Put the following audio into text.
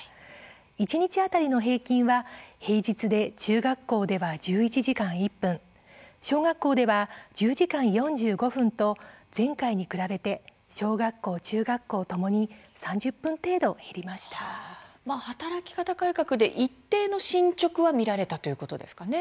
一日当たりの平均は平日で中学校では１１時間１分小学校では１０時間４５分と前回に比べて小学校、中学校ともに働き方改革で一定の進捗は見られたということですかね。